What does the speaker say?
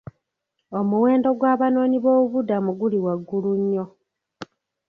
Omuwendo gw'abanoonyiboobubudamu guli waggulu nnyo.